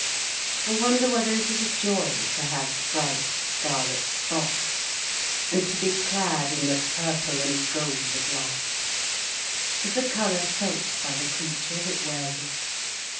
I wonder whether it is a joy to have bright scarlet spots, and to be clad in the purple and gold of life; is the colour felt by the creature that wears it?